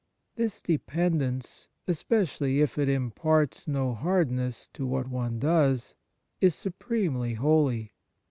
This dependence, especially if it imparts no hardness to what one does, is supremely holy.